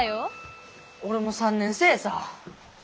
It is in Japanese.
俺も３年生さ！